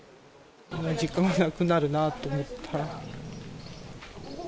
実家がなくなるなと思ったら。